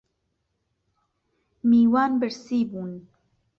میوان برسی بوون